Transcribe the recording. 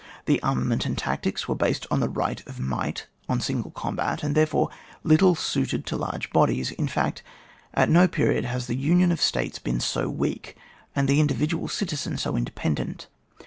The armament and tactics were based on the right of might, on single combat, and therefore little suited to large bodies. In fact, at no period has the union of States been so weak, and the individual citizen so independent.